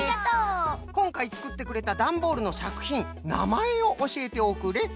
こんかいつくってくれたダンボールのさくひんなまえをおしえておくれ。